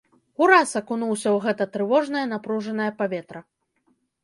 Ураз акунуўся ў гэта трывожнае напружанае паветра.